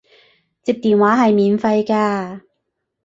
接電話係免費㗎